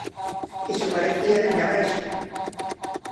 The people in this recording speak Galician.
Iso parecía dende abaixo.